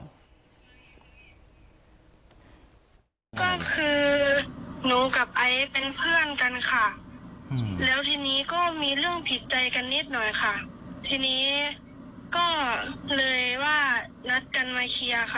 ก็คือหนูกับไอซ์เป็นเพื่อนกันค่ะแล้วทีนี้ก็มีเรื่องผิดใจกันนิดหน่อยค่ะทีนี้ก็เลยว่านัดกันมาเคลียร์ค่ะ